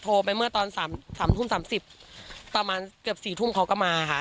โอ้โห